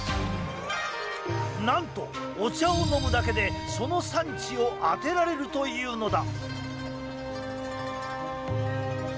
なんと、お茶を飲むだけでその産地を当てられるというのだ。